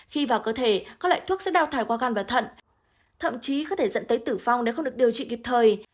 khi vào cơ thể các loại thuốc sẽ đau thải qua gan và thận thậm chí có thể dẫn tới tử vong nếu không được điều trị kịp thời